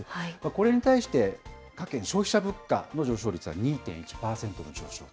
これに対して、家計の消費者物価の上昇率は２．１％の上昇。